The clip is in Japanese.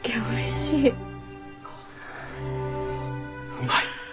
うまい。